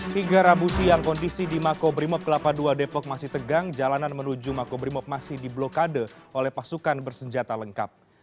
hingga rabu siang kondisi di makobrimob kelapa ii depok masih tegang jalanan menuju makobrimob masih diblokade oleh pasukan bersenjata lengkap